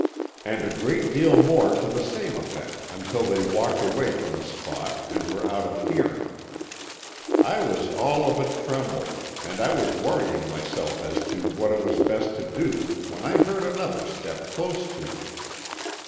"And a great deal more to the same effect until they walked away from the spot and were out of hearing. "I was all of a tremble, and I was worrying myself as to what it was best to do when I heard another step close to me.